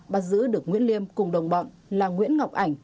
bắt giữ được nguyễn liêm cùng đồng bọn là nguyễn ngọc ảnh